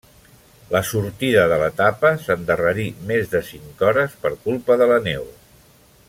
La sortida de l'etapa s'endarrerí més de cinc hores per culpa de la neu.